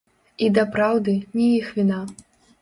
І дапраўды, не іх віна.